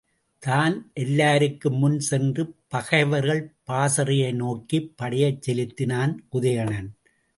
தான் எல்லாருக்கும் முன் சென்று பகைவர்கள் பாசறையை நோக்கிப் படையைச் செலுத்தினான் உதயணன்.